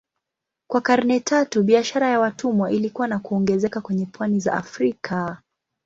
Kwa karne tatu biashara ya watumwa ilikua na kuongezeka kwenye pwani za Afrika.